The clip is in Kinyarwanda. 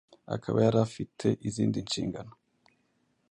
akaba yari afite izindi nshingano